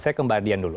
saya ke mbak dian dulu